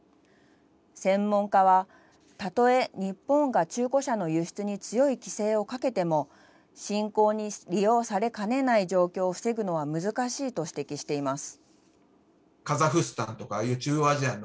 専門家は例え日本が中古車の輸出に強い規制をかけても侵攻に利用されかねない状況を防ぐのは難しいと指摘しています。